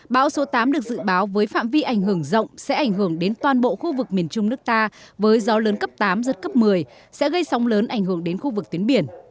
bão số tám được dự báo với phạm vi ảnh hưởng rộng sẽ ảnh hưởng đến toàn bộ khu vực miền trung nước ta với gió lớn cấp tám giật cấp một mươi sẽ gây sóng lớn ảnh hưởng đến khu vực tuyến biển